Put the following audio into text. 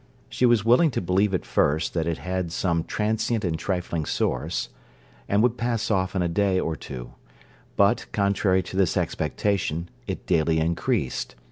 She was willing to believe at first that it had some transient and trifling source, and would pass off in a day or two; but, contrary to this expectation, it daily increased.